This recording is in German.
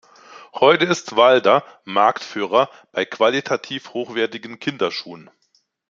Heute ist Walder Marktführer bei qualitativ hochwertigen Kinderschuhen.